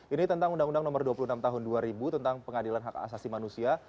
ini tentang undang undang nomor dua puluh enam tahun dua ribu tentang pengadilan hak asasi manusia